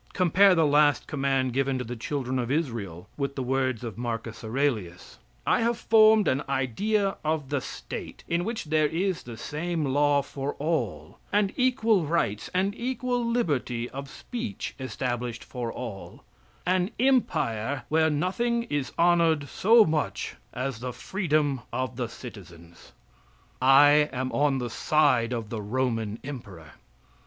Compare the last command given to the children of Israel with the words of Marcus Aurelius: "I have formed an ideal of the State, in which there is the same law for all, and equal rights and equal liberty of speech established for all an Empire where nothing is honored so much as the freedom of the citizens." I am on the side of the Roman emperor.